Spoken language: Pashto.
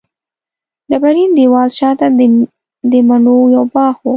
ډبرین دېوال شاته د مڼو یو باغ و.